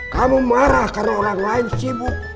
kamu marah karena orang lain sibuk